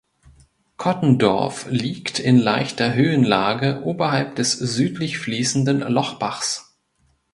Kottendorf liegt in leichter Höhenlage oberhalb des südlich fließenden Lochbachs.